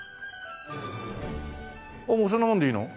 ああもうそんなもんでいいの？